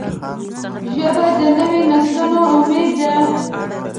ژبه د نوي نسلونو امید ده